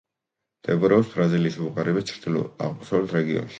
მდებარეობს ბრაზილიის უღარიბეს, ჩრდილო-აღმოსავლეთ რეგიონში.